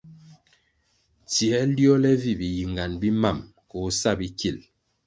Tsiē liole vi biyingan bi mam koh sa bikil.